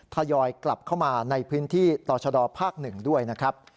ทยอยกลับเข้ามาในพื้นที่ต่อชะดอภาค๑ด้วยนะครับ